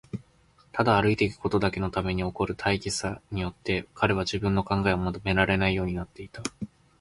ただ歩いていくことだけのために起こる大儀さによって、彼は自分の考えをまとめられないようになっていた。